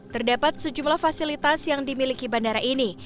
terdapat sejumlah fasilitas yang dimiliki bandara ini